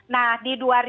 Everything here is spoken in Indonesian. nah di dua ribu